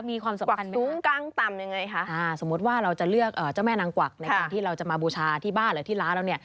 มีความสำคัญไหมคะสมมุติว่าเราจะเลือกเจ้าแม่นางกวักในการที่เราจะมาบูชาที่บ้านหรือที่ร้านเรา